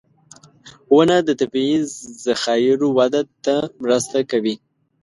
• ونه د طبعي ذخایرو وده ته مرسته کوي.